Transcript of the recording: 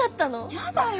やだよ。